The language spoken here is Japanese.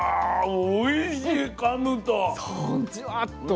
おいしいかむと。